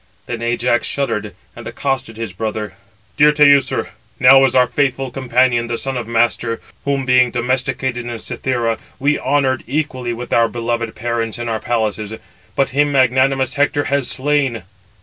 Then Ajax shuddered, and accosted his brother: "Dear Teucer, now is our faithful companion, the son of Mastor, whom being domesticated in Cythera, we honoured equally with our beloved parents in our palaces; but him magnanimous Hector has slain.